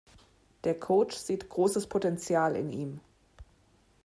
Der Coach sieht großes Potenzial in ihm.